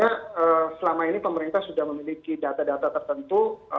karena selama ini pemerintah sudah memiliki data data tertentu